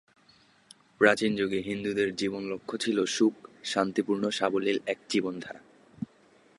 প্রাচীনযুগে হিন্দুদের জীবনলক্ষ্য ছিল সুখ-শান্তিপূর্ণ সাবলীল এক জীবনধারা।